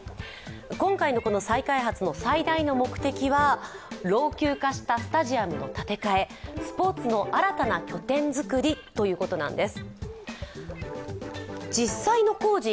今回の再開発の最大の目的は老朽化したスタジアムの建て替え、スポーツの新たな拠点作りということなんです。